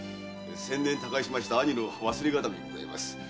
先年他界しました兄の忘れ形見でございます。